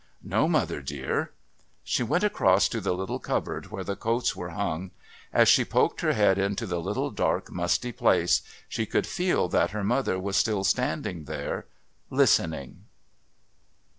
"No, mother dear." She went across to the little cupboard where the coats were hung. As she poked her head into the little, dark, musty place, she could feel that her mother was still standing there, listening.